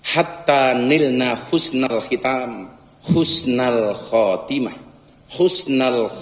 hatton illahus nall hitam husna khotimah husnu khotimah husnu khotimah ya allah